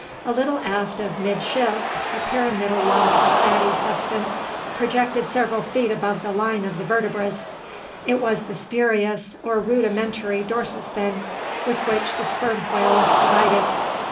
A little aft of "midships" a pyramidal lump of fatty substance projected several feet above the line of the vertebras. It was the spurious or rudimentary dorsal fin, with which the sperm whale is provided.